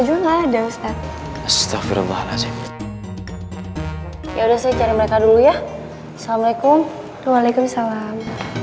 juga ada ustadz astagfirullahaladzim ya udah saya cari mereka dulu ya assalamualaikum waalaikumsalam